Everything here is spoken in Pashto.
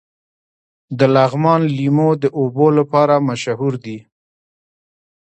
د لغمان لیمو د اوبو لپاره مشهور دي.